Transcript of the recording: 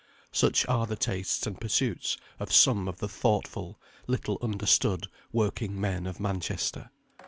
Such are the tastes and pursuits of some of the thoughtful, little understood, working men of Manchester.